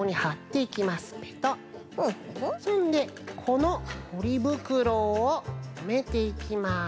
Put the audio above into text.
そんでこのポリぶくろをとめていきます。